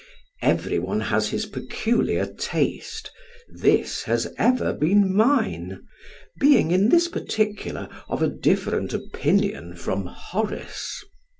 Every one has his peculiar taste, this has ever been mine; being in this particular of a different opinion from Horace.